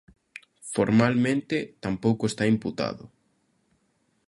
Formalmente, tampouco está imputado.